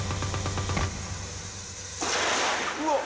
うわっ！